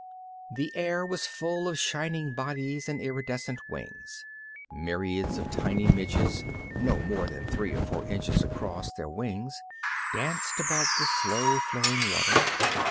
The air was full of shining bodies and iridescent wings. Myriads of tiny midges no more than three or four inches across their wings danced above the slow flowing water.